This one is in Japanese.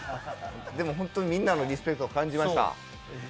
でも、みんなのリスペクトを感じました。